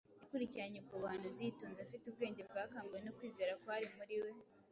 Yakurikiranye ubwo buhanuzi yitonze, afite ubwenge bwakanguwe no kwizera kwari muri we.